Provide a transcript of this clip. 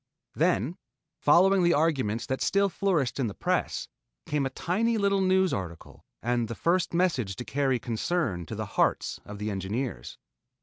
Then following the arguments that still flourished in the press, came a tiny little news article and the first message to carry concern to the hearts of the engineers.